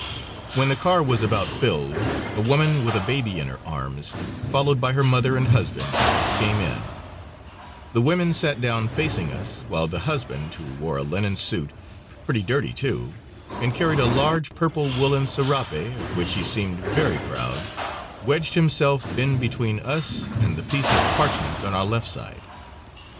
When the car was about filled, a woman with a baby in her arms, followed by her mother and husband, came in; the women sat down facing us, while the husband, who wore a linen suit pretty dirty, too and carried a large purple woolen serape, of which he seemed very proud, wedged himself in between us and the piece of parchment on our left side.